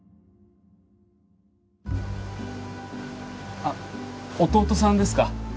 あっ弟さんですか？